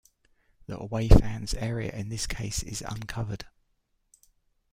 The away fans' area in this case is uncovered.